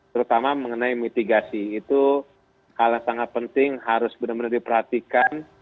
terutama mengenai mitigasi itu hal yang sangat penting harus benar benar diperhatikan